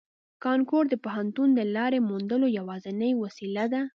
کانکور د پوهنتون د لارې موندلو یوازینۍ وسیله ده